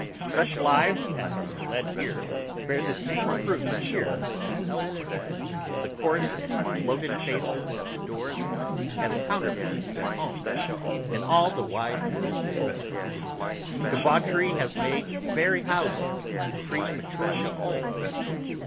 Such lives as are led here, bear the same fruits here as elsewhere. The coarse and bloated faces at the doors, have counterparts at home, and all the wide world over. Debauchery has made the very houses prematurely old.